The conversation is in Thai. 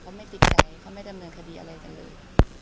เขาไม่ติดใจเขาไม่ดำเนินคดีอะไรกันเลย